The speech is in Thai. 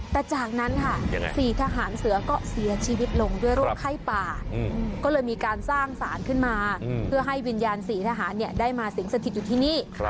แต่จากนั้นค่ะ๔ทหารเสือก็เสียชีวิตลงด้วยโรคไข้ป่าก็เลยมีการสร้างสารขึ้นมาเพื่อให้วิญญาณ๔ทหารได้มาสิงสถิตอยู่ที่นี่